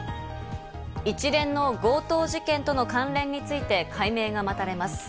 一連の強盗事件との関連について解明が待たれます。